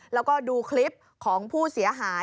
แล้วก็ดูคลิปของผู้เสียหาย